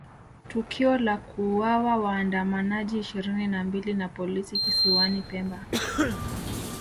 Tukio la kuuawa waandamanaji ishirini na mbili na polisi kisiwani Pemba